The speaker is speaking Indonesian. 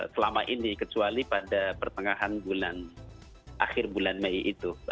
selama ini kecuali pada pertengahan bulan akhir bulan mei itu